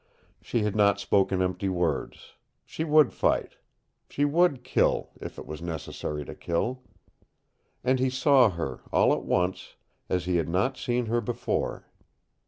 She had not spoken empty words. She would fight. She would kill, if it was necessary to kill. And he saw her, all at once, as he had not seen her before.